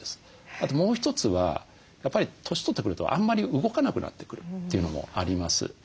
あともう一つはやっぱり年取ってくるとあんまり動かなくなってくるというのもあります。